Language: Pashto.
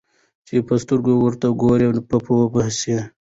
چي په سترګو ورته ګورم په پوهېږم